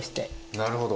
なるほど。